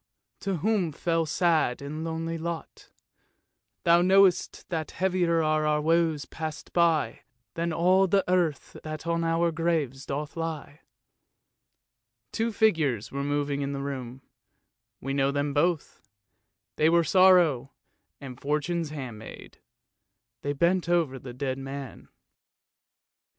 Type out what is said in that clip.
to whom fell sad and lonely lot, Thou knowst, that heavier are our woes passed by, Than all the earth that on our graves doth lie." Two figures were moving about in the room; we know them both. They were Sorrow and Fortune's handmaid; they bent over the dead man.